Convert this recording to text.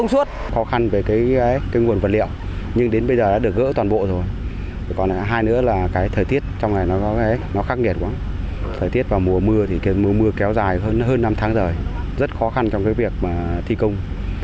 nó khắc nghẹt quá thời tiết vào mùa mưa thì mùa mưa kéo dài hơn năm tháng rồi rất khó khăn trong việc thi công